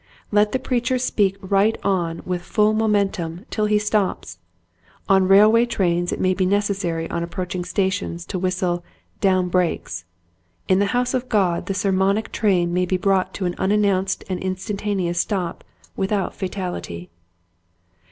Let the preacher speak right on with full momentum till he stops. On railway trains it may be necessary on approaching stations to whistle "down brakes," in the house of God the sermonic train may be brought to an unannounced and instantaneous stop without fatality.